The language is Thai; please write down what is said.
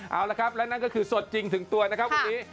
เอาละครับและนั่นก็คือสดจริงถึงตัวนะครับวันนี้